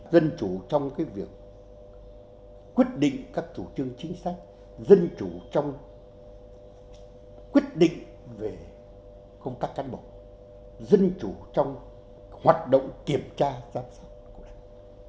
dân chủ trong việc quyết định các chủ trương chính sách dân chủ trong quyết định về công tác cán bộ dân chủ trong hoạt động kiểm tra giám sát của đảng